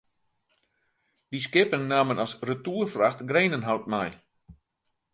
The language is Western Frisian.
Dy skippen namen as retoerfracht grenenhout mei.